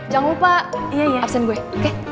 jangan lupa absen gue oke